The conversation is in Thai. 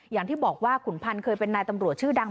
อย่างที่บอกว่าขุนพันธ์เคยเป็นนายตำรวจชื่อดัง